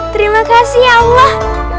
terima kasih allah